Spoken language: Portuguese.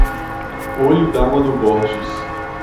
Olho d'Água do Borges